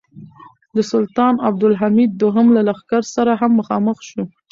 د سلطان عبدالحمید دوهم له لښکر سره هم مخامخ شو.